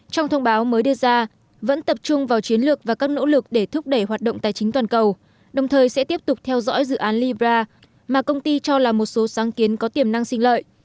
trong thông báo mới đưa ra vẫn tập trung vào chiến lược và các nỗ lực để thúc đẩy hoạt động tài chính toàn cầu đồng thời sẽ tiếp tục theo dõi dự án libra mà công ty cho là một số sáng kiến có tiềm năng sinh lợi